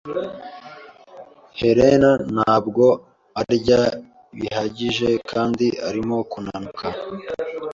Helen ntabwo arya bihagije kandi arimo kunanuka.